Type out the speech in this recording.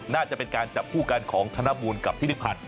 น่าจะเป็นการจับคู่กันของธนบูลกับที่นึกผัด